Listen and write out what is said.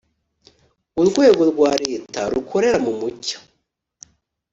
urwego rwa leta rukorera mumucyo.